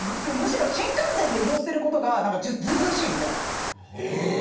新幹線で移動していることがずうずうしいみたいな。